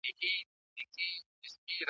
نه به اوري څوك فرياد د مظلومانو ,